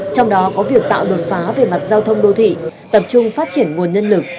trong đó có việc tạo đột phá về mặt giao thông đô thị tập trung phát triển nguồn nhân lực